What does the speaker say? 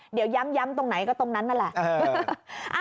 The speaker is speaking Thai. เดี๋ยวย้ำตรงไหนก็ตรงนั้นนั่นแหละ